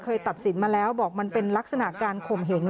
ตัดสินมาแล้วบอกมันเป็นลักษณะการข่มเหง